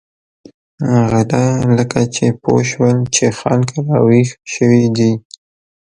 غله لکه چې پوه شول چې خلک را وېښ شوي دي.